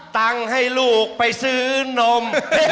ตังค์ให้ลูกไปซื้อนม